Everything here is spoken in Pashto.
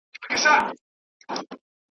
چي په شپه د پسرلي کي به باران وي .